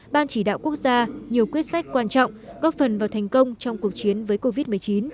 ban chỉ đạo quốc gia nhiều quyết sách quan trọng góp phần vào thành công trong cuộc chiến với covid một mươi chín